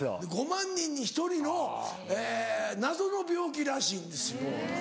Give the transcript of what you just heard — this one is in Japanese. ５万人に１人の謎の病気らしいんですよ。